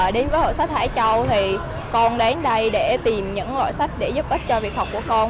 đến với hội sách hải châu thì con đến đây để tìm những loại sách để giúp ích cho việc học của con